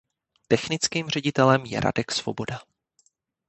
Technickým ředitelem je Radek Svoboda.